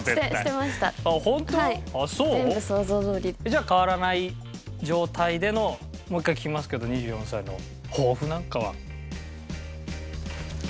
じゃあ変わらない状態でのもう一回聞きますけど２４歳の抱負なんかは？